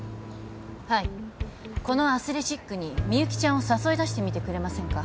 はいこのアスレチックにみゆきちゃんを誘い出してみてくれませんか？